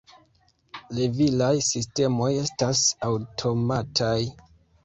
Levilaj sistemoj estas aŭtomataj.